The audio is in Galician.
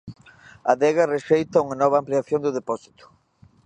Adega rexeita unha nova ampliación do depósito.